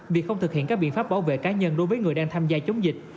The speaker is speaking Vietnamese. việc không thực hiện các biện pháp bảo vệ cá nhân đối với người đang tham gia chống dịch